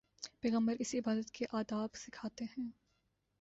پیغمبر اسے عبادت کے آداب سکھاتے ہیں۔